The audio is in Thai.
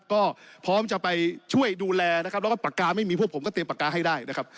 ก็พร้อมจะไปช่วยดูแลนะครับแล้วก็ปากกาไม่มีพวกผมก็เตรียมปากกาให้ได้นะครับ